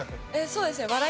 えっそうですね。